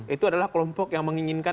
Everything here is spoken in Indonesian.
itu adalah kelompok yang menginginkan